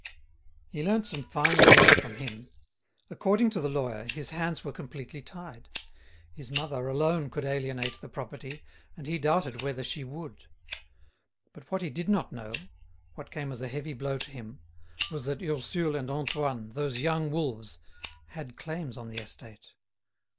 He learnt some fine things from him. According to the lawyer, his hands were completely tied. His mother alone could alienate the property, and he doubted whether she would. But what he did not know, what came as a heavy blow to him, was that Ursule and Antoine, those young wolves, had claims on the estate.